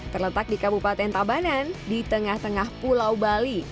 terletak di kabupaten tabanan di tengah tengah pulau bali